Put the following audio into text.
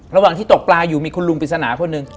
ระหว่างที่ตกปลาอยู่มีคุณลุงปริศนาคนหนึ่ง